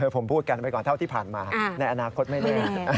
ผมพูดกันไปก่อนเท่าที่ผ่านมาในอนาคตไม่แน่